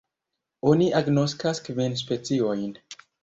Oni agnoskas kvin speciojn.